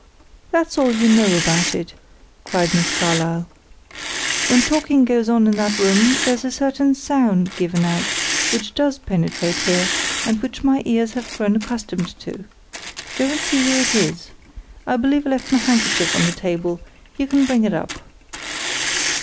"That's all you know about it," cried Miss Carlyle. "When talking goes on in that room, there's a certain sound given out which does penetrate here, and which my ears have grown accustomed to. Go and see who it is. I believe I left my handkerchief on the table; you can bring it up."